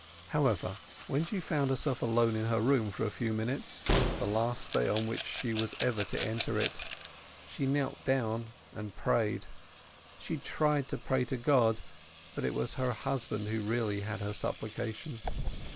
However, when she found herself alone in her room for a few minutes—the last day this on which she was ever to enter it—she knelt down and prayed. She tried to pray to God, but it was her husband who really had her supplication.